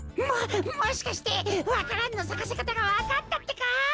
ももしかしてわか蘭のさかせかたがわかったってか！？